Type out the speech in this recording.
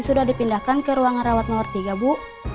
sudah dipindahkan ke ruangan rawat nomor tiga bu